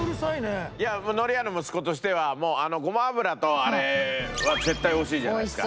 海苔屋の息子としてはもうごま油とあれは絶対美味しいじゃないですか。